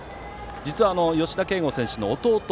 実は、吉田慶剛選手の弟